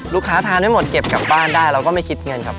ทานให้หมดเก็บกลับบ้านได้เราก็ไม่คิดเงินครับ